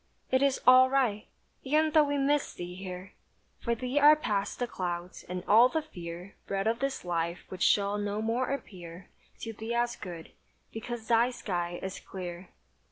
"It is all right." E'en though we miss thee here. For thee are past the clouds, and all the fear Bred of this life which shall no more appear To thee as good; because thy sky is clear.